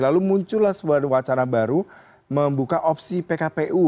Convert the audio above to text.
lalu muncullah sebuah wacana baru membuka opsi pkpu